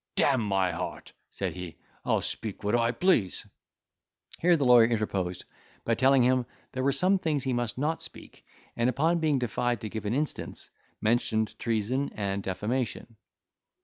"D—n my heart," said he, "I'll speak what I please." Here the lawyer interposed, by telling him, there were some things he must not speak; and upon being defied to give an instance, mentioned treason and defamation.